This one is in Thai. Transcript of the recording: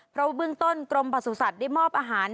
เพราะเบื้องต้นกรมประสุทธิ์ได้มอบอาหาร